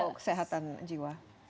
atau kesehatan jiwa